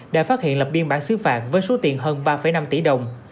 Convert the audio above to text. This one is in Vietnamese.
đã phát hiện lập biên bản xứ phạt với số tiền hơn ba năm tỷ đồng